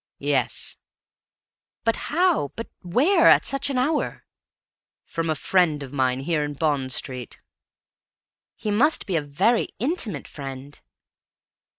"Yes." "But how but where at such an hour?" "From a friend of mine here in Bond Street." "He must be a very intimate friend!"